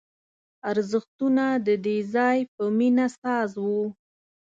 ارزښتونه د دې ځای په مینه ساز وو